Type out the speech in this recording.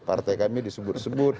partai kami disebut sebut